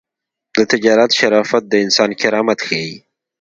د تجارت شرافت د انسان کرامت ښيي.